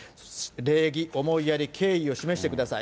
礼儀、思いやり、敬意を示してください。